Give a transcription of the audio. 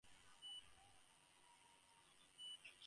Unger in Berlin.